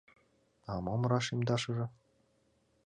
— А мом рашемдашыже?